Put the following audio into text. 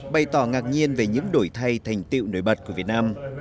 bày tỏ ngạc nhiên về những đổi thay thành tiệu nổi bật của việt nam